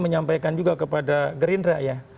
menyampaikan juga kepada gerindra ya